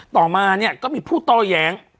ต่อมาก็มีผู้ต้อยแย้ง